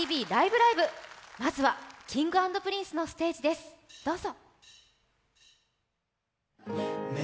ライブ！」、まずはＫｉｎｇ＆Ｐｒｉｎｃｅのステージです、どうぞ。